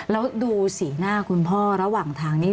แล้วดูสีหน้าคุณพ่อระหว่างทางนี้